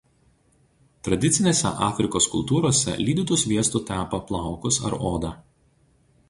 Tradicinėse Afrikos kultūrose lydytu sviestu tepa plaukus ar odą.